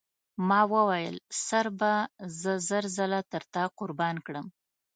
ما وویل سر به زه زر ځله تر تا قربان کړم.